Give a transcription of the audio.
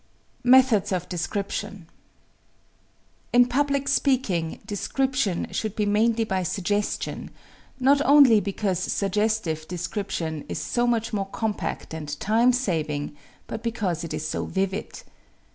Methods of Description In public speaking, description should be mainly by suggestion, not only because suggestive description is so much more compact and time saving but because it is so vivid.